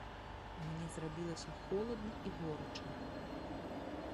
Мне зрабілася холадна і горача.